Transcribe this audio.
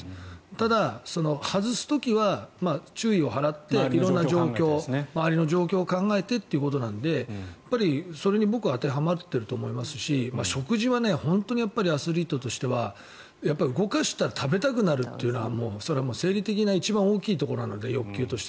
ただ、外す時は注意を払って色んな状況、周りの状況を考えてということなのでそれに僕は当てはまっていると思いますし食事は本当にアスリートとしては動かしたら食べたくなるというのは生理的な一番大きいところなので欲求として。